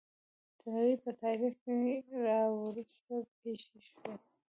د نړۍ په تاریخ کې راوروسته پېښې وشوې.